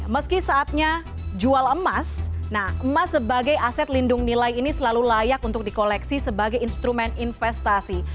meski saatnya jual emas emas sebagai aset lindung nilai ini selalu layak untuk dikoleksi sebagai instrumen investasi